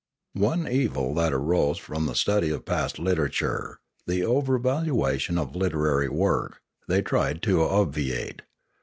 One evil that arose from the study of past literature, the over valuation of literary work, they tried to ob viate.